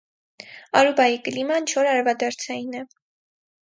Արուբայի կլիման չոր արևադարձային է։